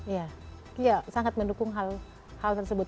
iya sangat mendukung hal tersebut